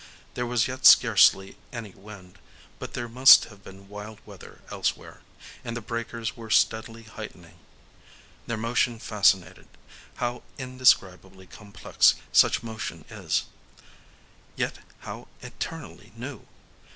There was yet scarcely any wind; but there must have been wild weather elsewhere,—and the breakers were steadily heightening. Their motion fascinated. How indescribably complex such motion is,—yet how eternally new!